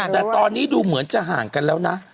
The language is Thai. แต่ตอนนี้ดูเหมือนจะห่างกันแล้วนะ